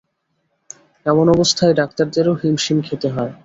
এমন অবস্থায় ডাক্তারদেরও হিমশিম খেতে হয়।